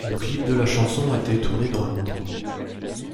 Le clip de la chanson a été tourné dans Londres.